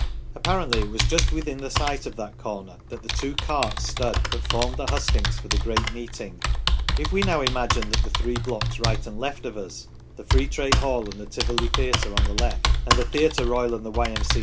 Apparently it was just within the site of that corner that the two carts stood that formed the hustings for the great meeting. If we now imagine that the three blocks right and left of us the Free Trade Hall and the Tivoli Theatre on the left, and the Theatre Royal and the Y.